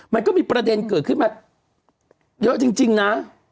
มันก็มีประเด็นเกิดขึ้นมาเยอะจริงนะ